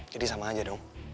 jadi sama aja dong